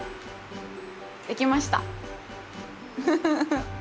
できました。